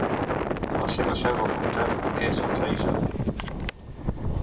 La seva seu del comtat és el rei Jordi.